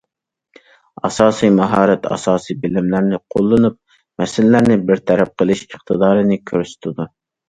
ئاساسىي ماھارەت ئاساسىي بىلىملەرنى قوللىنىپ مەسىلىلەرنى بىر تەرەپ قىلىش ئىقتىدارىنى كۆرسىتىدۇ.